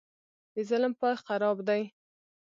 د ظلم پاى خراب دى.